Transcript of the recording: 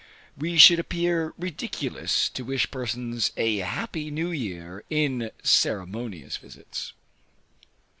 We should appear ridiculous to wish persons a happy new year, in ceremonious visits.